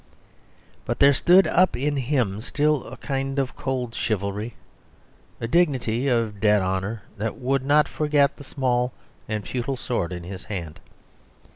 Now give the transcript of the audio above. But there stood up in him still a kind of cold chivalry, a dignity of dead honour that would not forget the small and futile sword in his hand.